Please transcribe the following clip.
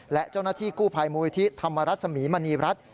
และเจ้านที่กู้พลายมศิริธรรมารัฐศมีร์มนีรัฐ